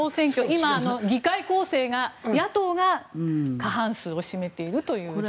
今、議会構成が野党が過半数を占めているという状況で。